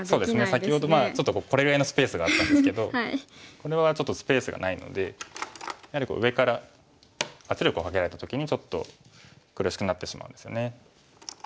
先ほどこれぐらいのスペースがあったんですけどこれはちょっとスペースがないのでやはり上から圧力をかけられた時にちょっと苦しくなってしまうんですよね。